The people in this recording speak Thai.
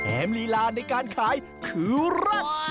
แอมลีลาในการขายขือรัด